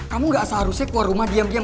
kamu gak asal harusnya keluar rumah diam diam